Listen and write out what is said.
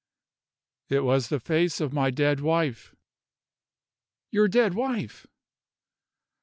"It was the face of my dead wife." "Your dead wife!"